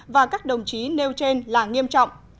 và các đồng chí nêu trên là nghiêm trọng